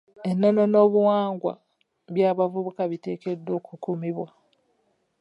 Ennono n'obuwangwa by'abavubuka biteekeddwa okukumibwa.